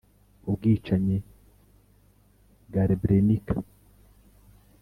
ubwicanyi bwa srebrenica,